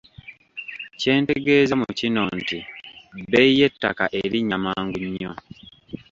Kyentegeeza mu kino nti bbeeyi y’ettaka erinnya mangu nnyo.